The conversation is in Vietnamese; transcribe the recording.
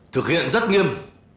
thực hiện rất nghiêm